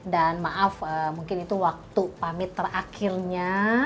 dan maaf mungkin itu waktu pamit terakhirnya